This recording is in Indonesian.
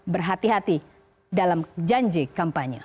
berhati hati dalam janji kampanye